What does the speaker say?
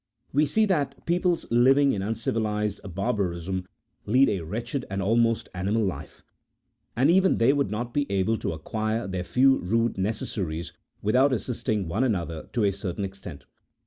We see that peoples living in uncivilized barbarism lead a wretched and almost animal life, and even they would not be able to ac quire their few rude necessaries without assisting one another to a certain extent.